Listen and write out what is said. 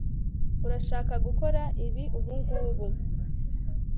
Urashaka gukora ibi ubungubu